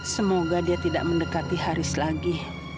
semoga dia tidak mendekati haris lagi